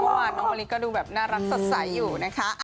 เมื่อวานน้องมะลิก็ดูแบบน่ารักสดใสอยู่นะคะ